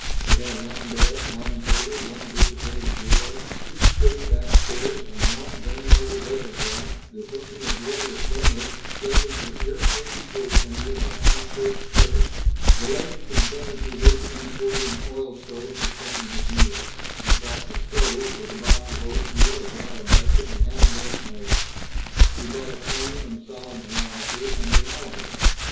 It had one bed, one table, one dissipated bureau, two straight bare chairs, and one venerable lithograph depicting a girl with ringlets shaking her irritating forefinger at a high church kitten. The landlady consented to his importing an oil stove for cooking his meals. He bought the stove, with a box of oatmeal, a jar of bacon, and half a dozen eggs. He bought a plane and solid geometry, and an algebra.